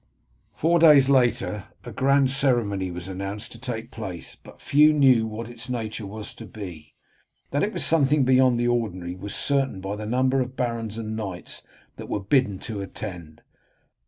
Four days later a grand ceremony was announced to take place, but few knew what its nature was to be. That it was something beyond the ordinary was certain by the number of barons and knights that were bidden to attend.